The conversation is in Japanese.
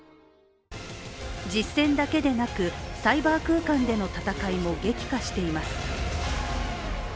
実戦だけでなく、サイバー空間での戦いも激化しています。